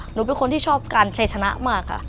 หนูเป็นคนที่ชอบการใช้ชนะมากค่ะ